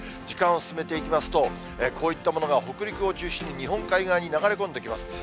時間を進めていきますと、こういったものが北陸を中心に、日本海側に流れ込んできます。